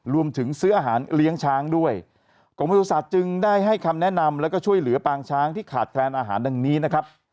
ซื้ออาหารเลี้ยงช้างด้วยกรมประสุทธิ์จึงได้ให้คำแนะนำแล้วก็ช่วยเหลือปางช้างที่ขาดแคลนอาหารดังนี้นะครับ